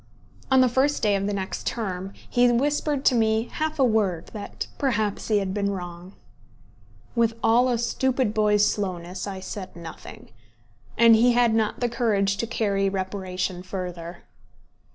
On the first day of the next term he whispered to me half a word that perhaps he had been wrong. With all a stupid boy's slowness, I said nothing; and he had not the courage to carry reparation further.